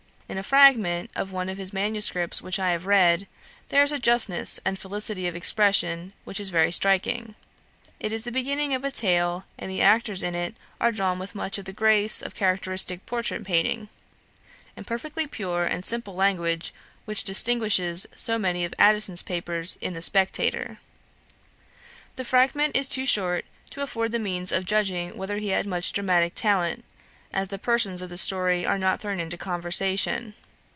In a fragment of one of his manuscripts which I have read, there is a justness and felicity of expression which is very striking. It is the beginning of a tale, and the actors in it are drawn with much of the grace of characteristic portrait painting, in perfectly pure and simple language which distinguishes so many of Addison's papers in the "Spectator." The fragment is too short to afford the means of judging whether he had much dramatic talent, as the persons of the story are not thrown into conversation.